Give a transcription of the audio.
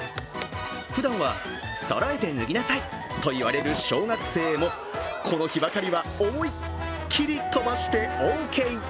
ふだんは、そろえて脱ぎなさいと言われる小学生もこの日ばかりは思いっきりとばしてオーケー。